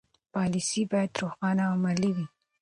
پالیسي باید روښانه او عملي وي.